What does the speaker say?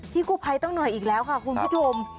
พี่กุไพยต้องเหนื่อยอีกแล้วคุณผู้ชม